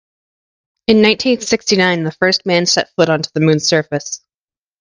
In nineteen-sixty-nine the first man set his foot onto the moon's surface.